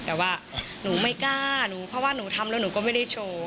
แต่ว่าหนูไม่กล้าหนูเพราะว่าหนูทำแล้วหนูก็ไม่ได้โชว์